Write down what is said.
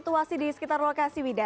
suasidi sekitar lokasi wida